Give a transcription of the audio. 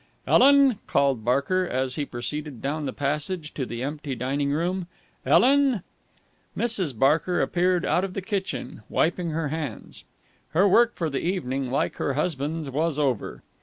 "Ellen!" called Barker, as he proceeded down the passage to the empty dining room. "Ellen!" Mrs. Barker appeared out of the kitchen, wiping her hands. Her work for the evening, like her husband's, was over.